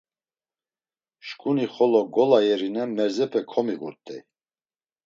Şǩuni xolo gola yerine merzepe komiğurt̆ey.